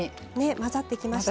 混ざってきましたね。